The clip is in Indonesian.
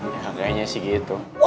ya agaknya sih gitu